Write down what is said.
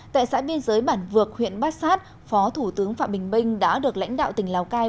tại xã biên giới bản vược huyện bát sát phó thủ tướng phạm bình minh đã được lãnh đạo tỉnh lào cai